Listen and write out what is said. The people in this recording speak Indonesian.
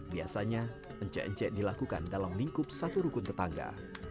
biasanya ence encek dilakukan dalam lingkup satu rukun tetangga